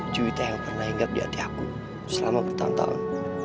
cerita yang pernah ingat di hati aku selama bertahun tahun